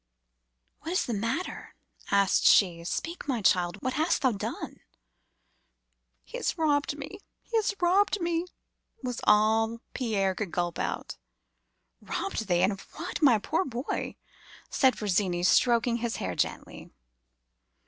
"'What is the matter?' asked she. 'Speak, my child. What hast thou done?' "'He has robbed me! he has robbed me!' was all Pierre could gulp out. "'Robbed thee! and of what, my poor boy?' said Virginie, stroking his hair gently.